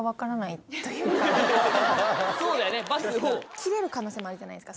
切れる可能性もあるじゃないですか